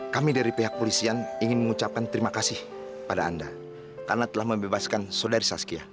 kami dari pihak polisian ingin mengucapkan terima kasih pada anda karena telah membebaskan saudari saskia